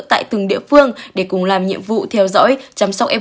tại từng địa phương để cùng làm nhiệm vụ theo dõi chăm sóc f